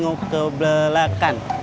saya boleh lihat kebelakang